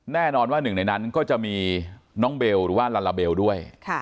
แน่นอนว่าหนึ่งในนั้นก็จะมีน้องเบลหรือว่าลาลาเบลด้วย